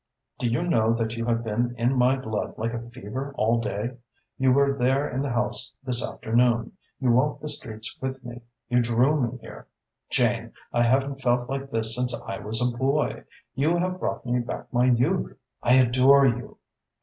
Do you know that you have been in my blood like a fever all day? You were there in the House this afternoon, you walked the streets with me, you drew me here. Jane, I haven't felt like this since I was a boy. You have brought me back my youth. I adore you!"